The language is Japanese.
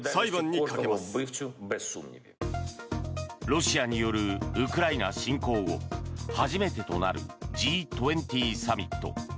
ロシアによるウクライナ侵攻後初めてとなるＧ２０サミット。